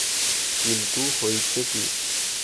কিন্তু, হইছে কি?